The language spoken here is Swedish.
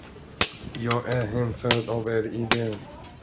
Jag är hänförd av er idé.